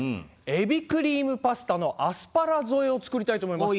エビクリームパスタのアスパラ添えを作りたいと思います。